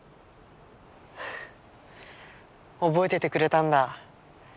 覚えててくれたんだ。